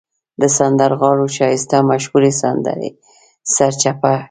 د سندرغاړو ښایسته مشهورې سندرې سرچپه کوي.